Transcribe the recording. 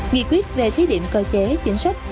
nghị quyết về thí điểm cơ chế chính sách